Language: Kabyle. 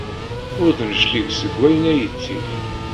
Ur d-neclig seg wayen ay yetteg.